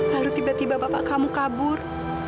lalu tiba tiba bapak kamu kabur